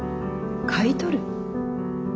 買い取る？